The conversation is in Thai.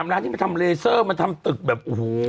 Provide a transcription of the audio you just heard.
ร้านที่มันทำเลเซอร์มาทำตึกแบบโอ้โห